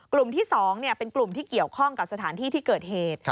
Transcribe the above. กลุ่มที่๒เป็นกลุ่มที่เกี่ยวข้องกับสถานที่ที่เกิดเหตุ